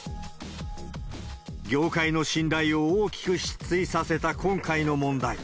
業界の信頼を大きく失墜させた今回の問題。